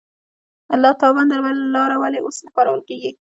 لاتابند لاره ولې اوس نه کارول کیږي؟